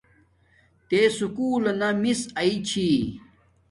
تے سکُول لیݵ میس آیݵ چھی